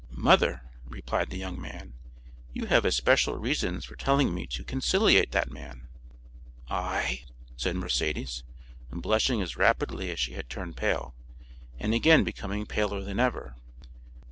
"Mother," replied the young man, "you have special reasons for telling me to conciliate that man." "I?" said Mercédès, blushing as rapidly as she had turned pale, and again becoming paler than ever.